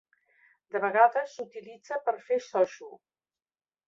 De vegades s'utilitza per fer shochu.